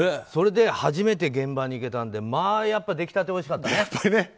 それで初めて現場に行けたのでまあやっぱ出来たておいしかったね。